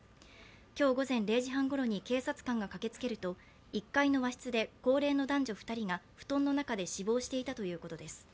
今日午前０時半ごろに警察官が駆けつけると１階の和室で高齢の男女２人布団の中で死亡していたということです。